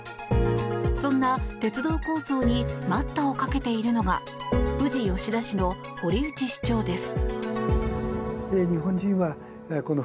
そんな鉄道構想に待ったをかけているのが富士吉田市の堀内市長です。